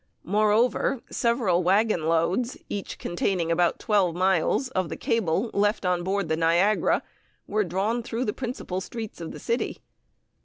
Moreover, several wagon loads (each containing about twelve miles) of the cable left on board the Niagara were drawn through the principal streets of the city.